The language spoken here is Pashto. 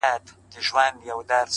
قاتل ژوندی دی مړ یې وجدان دی